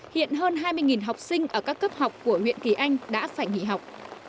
hiện hơn hai mươi học sinh ở các cấp học của huyện kỳ anh đã phải nghỉ học